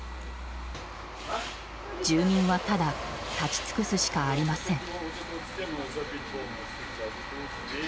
住民はただ立ち尽くすしかありません。